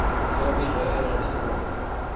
La seva filla era la més amable.